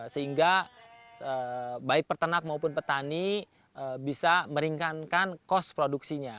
sehingga baik peternak maupun petani bisa meringankan kos produksinya